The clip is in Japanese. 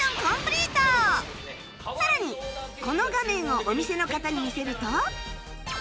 さらにこの画面をお店の方に見せると